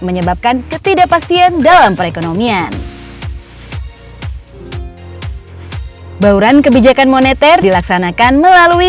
menyebabkan ketidakpastian dalam perekonomian bauran kebijakan moneter dilaksanakan melalui